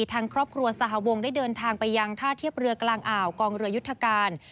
ทางครอบครัวสหวงได้เดินทางไปยังท่าเทียบเรือกลางอ่าวกองเรือยุทธการ